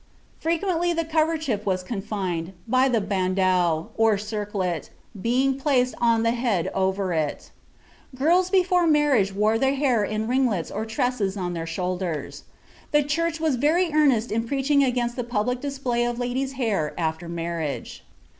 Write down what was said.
Frequently the co verchief was confined, by the bandeau, or circlet, being placed on tlie head, over it Girls before marriage wore their hair in ringlets or tresses on their shoulders. The church was very earnest in preaching against the public display of ladies' hair after marriage.